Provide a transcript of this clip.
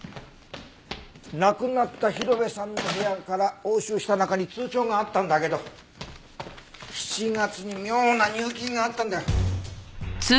亡くなった広辺さんの部屋から押収した中に通帳があったんだけど７月に妙な入金があったんだよ。